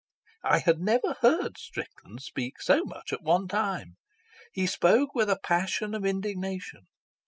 I had never heard Strickland speak so much at one time. He spoke with a passion of indignation.